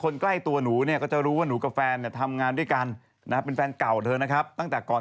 มารู้อีกทีคือตอนพี่เตยสัมภาษณ์